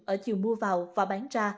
ở chiều mua vào và bán ra